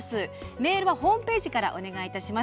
メールはホームページからお願いいたします。